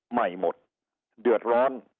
ใหม่หมดเดือดร้อน